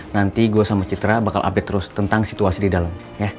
nanti gue sama citra bakal update terus tentang situasi di dalam